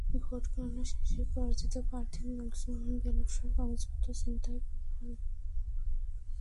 Vote গণনা শেষে পরাজিত প্রার্থীর লোকজন ব্যালটসহ কাগজপত্র ছিনতাই করে নেন।